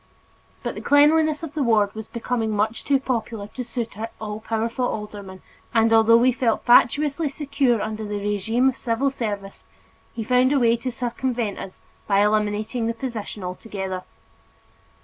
But the cleanliness of the ward was becoming much too popular to suit our all powerful alderman and, although we felt fatuously secure under the regime of civil service, he found a way to circumvent us by eliminating the position altogether.